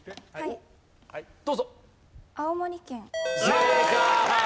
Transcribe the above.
正解！